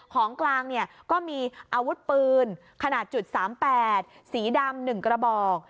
ของกลางเนี่ยก็มีอาวุธปืนขนาด๓๘สีดำ๑กระบอก